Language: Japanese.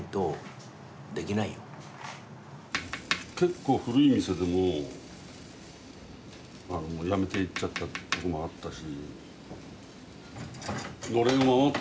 結構古い店でもやめていっちゃったとこもあったし。